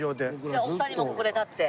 じゃあお二人もここで立って？